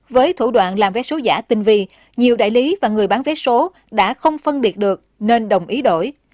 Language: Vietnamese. với thủ đoạn làm vé số giả tinh vi nhiều đại lý và người bán vé số đã không phân biệt được nên đồng ý đổi